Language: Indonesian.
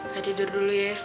jangan kejar dulu ya